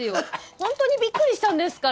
ホントにびっくりしたんですから。